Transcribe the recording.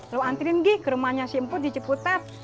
lu anterin gi ke rumahnya si emput di ceputap